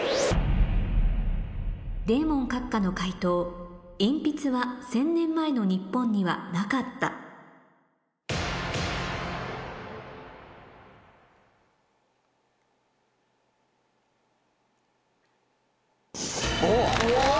デーモン閣下の解答鉛筆は１０００年前の日本にはなかったお！